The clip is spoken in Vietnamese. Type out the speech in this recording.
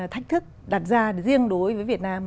thách thức đặt ra riêng đối với việt nam